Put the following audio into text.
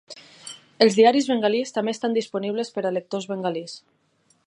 Els diaris bengalís també estan disponibles per a lectors bengalís.